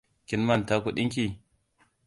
Kin manta kuɗinki?